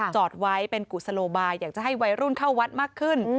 จอดไว้เป็นกุศโลบายอยากจะให้วัยรุ่นเข้าวัดมากขึ้น